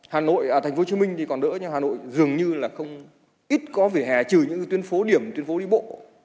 hà nội thành phố hồ chí minh thì còn đỡ nhưng hà nội dường như là không ít có vỉa hè trừ những tuyến phố điểm tuyên phố đi bộ